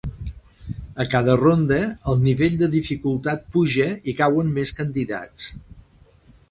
A cada ronda el nivell de dificultat puja i cauen més candidats.